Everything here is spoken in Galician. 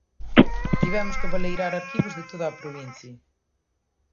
Tivemos que baleirar arquivos de toda a provincia.